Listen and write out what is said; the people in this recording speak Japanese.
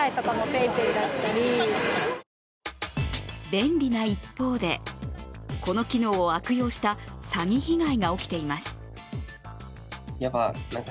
便利な一方で、この機能を悪用した詐欺被害が起きています。